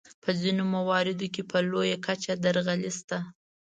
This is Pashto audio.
په ځینو مواردو کې په لویه کچه درغلۍ شته.